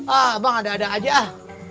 ah bang ada ada aja ah